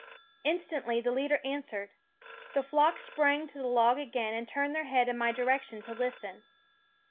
Instantly the leader answered ; the flock sprang to the log again and turned their heads in my direction to listen.